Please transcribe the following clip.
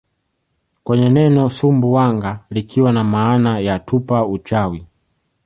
kwenye neno Sumbu wanga likiwa namaana ya tupa uchawi